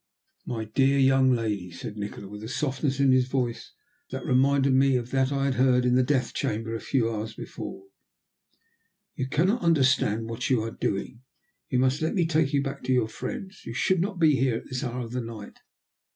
"My dear young lady," said Nikola, with a softness in his voice that reminded me of that I had heard in the death chamber a few hours before, "you cannot understand what you are doing. You must let me take you back to your friends. You should not be here at this hour of the night."